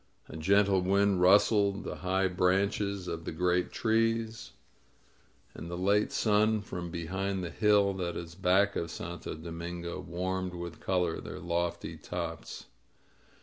A gentle wind rustled the high branches of the great 98 ELIZABETTA tree3, and the late sun, from behind the hlU that is back of Santo Domingo, warmed with color their lofty tops.